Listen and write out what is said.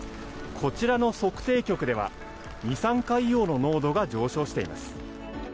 こちらの測定局では二酸化硫黄の濃度が上昇しています。